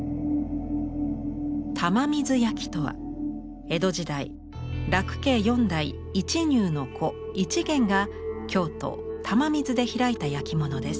玉水焼とは江戸時代樂家四代一入の子一元が京都・玉水で開いた焼き物です。